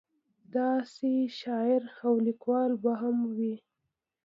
داسې شاعر او لیکوال به هم وي.